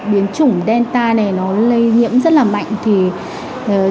biến chủng delta này nó lây nhiễm rất là mạnh thì chúng ta